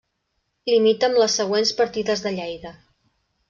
Limita amb les següents partides de Lleida.